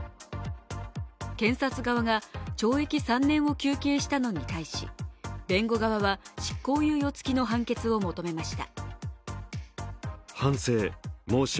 検察側が懲役３年を求刑したのに対し弁護側は執行猶予付きの判決を求めました。